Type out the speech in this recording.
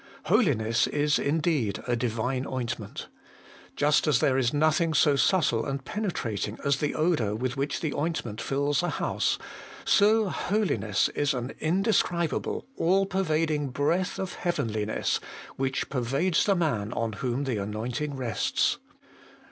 Holiness is indeed a Divine ointment. Just as there is nothing so subtle and penetrating as the odour with which the ointment fills a house, so holiness is an inde scribable, all pervading breath of heavenliness which pervades the man on whom the anointing rests.